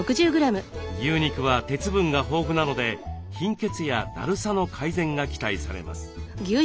牛肉は鉄分が豊富なので貧血やだるさの改善が期待されます。